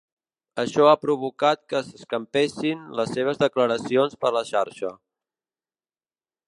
Això ha provocat que s’escampessin les seves declaracions per la xarxa.